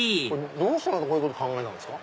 どうしてまたこういうこと考えたんですか？